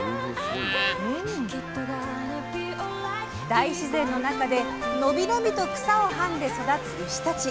大自然の中で伸び伸びと草をはんで育つ牛たち。